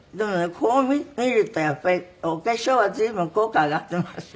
こう見るとやっぱりお化粧は随分濃く上がっていますよね。